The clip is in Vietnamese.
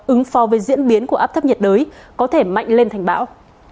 ứng phó với diễn biến của áp thấp nhiệt đới có thể mạnh lên thành bão